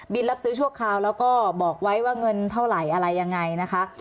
รับซื้อชั่วคราวแล้วก็บอกไว้ว่าเงินเท่าไหร่อะไรยังไงนะคะ